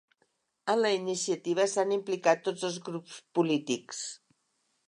En la iniciativa s’han implicat tots els grups polítics.